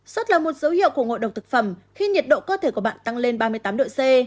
sốt là một dấu hiệu của ngộ độc thực phẩm khi nhiệt độ cơ thể của bạn tăng lên ba mươi tám độ c